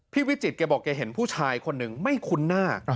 วิจิตแกบอกแกเห็นผู้ชายคนหนึ่งไม่คุ้นหน้า